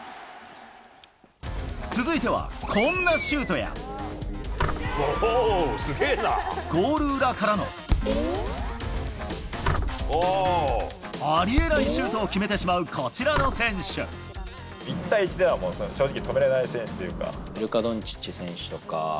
続いてはこんなシュートや、ゴール裏からの。ありえないシュートを決めてしま１対１では、正直止められなルカ・ドンチッチ選手とか。